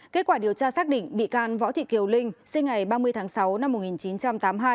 kết quả điều tra xác định bị can võ thị thiều linh sinh ngày ba mươi tháng sáu năm một nghìn chín trăm tám mươi hai